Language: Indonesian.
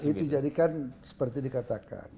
itu jadikan seperti dikatakan